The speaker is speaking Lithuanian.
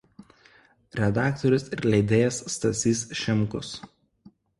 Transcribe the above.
Redaktorius ir leidėjas Stasys Šimkus.